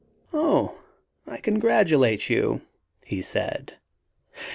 "Oh, I congratulate you," he said.